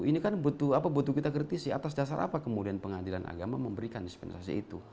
ini kan butuh kita kritisi atas dasar apa kemudian pengadilan agama memberikan dispensasi itu